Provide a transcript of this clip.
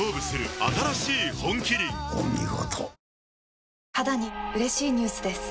お見事。